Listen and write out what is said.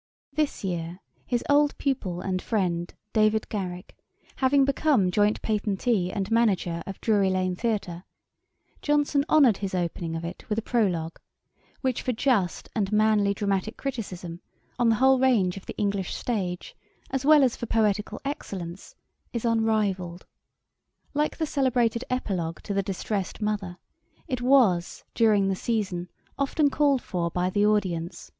] This year his old pupil and friend, David Garrick, having become joint patentee and manager of Drury lane theatre, Johnson honoured his opening of it with a Prologue,[*] which for just and manly dramatick criticism, on the whole range of the English stage, as well as for poetical excellence, is unrivalled. Like the celebrated Epilogue to the Distressed Mother, it was, during the season, often called for by the audience.